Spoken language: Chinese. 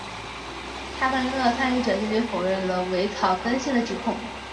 茶党运动的参与者坚决否认了伪草根性的指控。